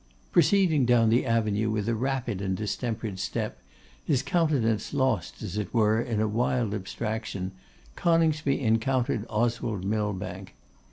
Proceeding down the avenue with a rapid and distempered step, his countenance lost, as it were, in a wild abstraction, Coningsby encountered Oswald Millbank.